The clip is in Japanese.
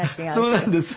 そうなんです。